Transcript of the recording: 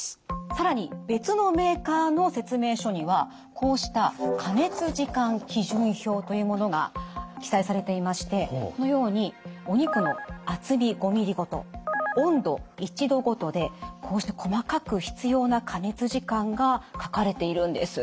更に別のメーカーの説明書にはこうした加熱時間基準表というものが記載されていましてこのようにお肉の厚み５ｍｍごと温度１℃ごとでこうして細かく必要な加熱時間が書かれているんです。